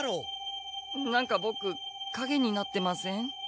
何かボクかげになってません？